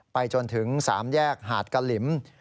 จนถึง๓แยกหาดกะหลิม